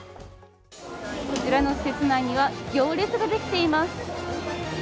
こちらの施設内には行列ができています。